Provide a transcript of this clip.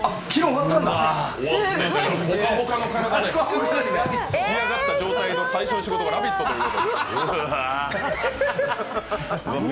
ほかほかの体で、仕上がった状態の最初の仕事が「ラヴィット！」という。